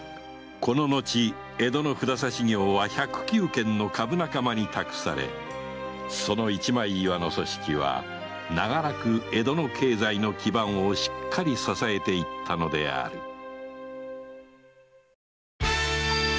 この後江戸の札差業は百九軒の株仲間に託されその一枚岩の組織は長らく江戸の経済の基盤をしっかり支えていったのである